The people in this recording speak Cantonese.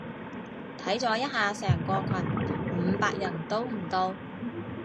睇咗一下成個群，五百人都唔到